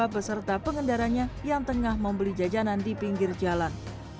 beserta pengendaranya yang tengah membeli jajanan di pinggir jalan